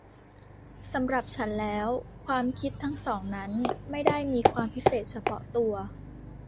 สำหรับฉันแล้วความคิดทั้งสองนั้นไม่ได้มีความพิเศษเฉพาะตัว